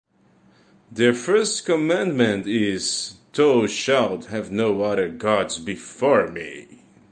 The first commandment is, Thou shalt have no other gods before me.